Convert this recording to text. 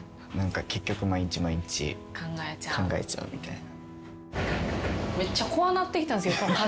結局毎日毎日考えちゃうみたいな。